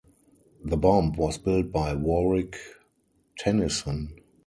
The bomb was built by Warrick Tennyson.